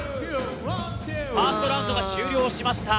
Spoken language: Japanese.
ファーストラウンドが終了しました。